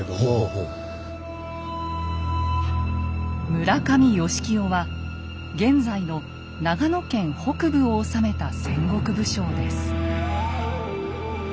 村上義清は現在の長野県北部を治めた戦国武将です。